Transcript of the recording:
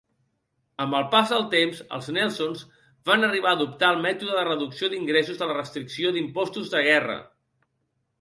Amb el pas del temps, els Nelsons van arribar a adoptar el mètode de reducció d'ingressos de la restricció d'impostos de guerra.